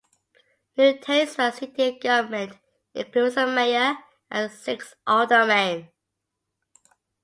New Tazewell city government includes a mayor and six aldermen.